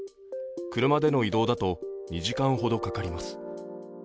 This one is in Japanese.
車での移動だと２時間ほどかかります。